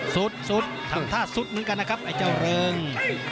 สุดทำท่าสุดเหมือนกันนะครับไอ้เจ้าเริง